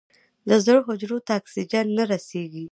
د زړه حجرو ته اکسیجن نه رسېږي.